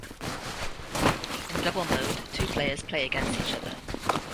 In Double mode, two players play against each other.